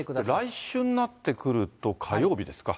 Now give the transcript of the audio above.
来週になってくると、火曜日ですか。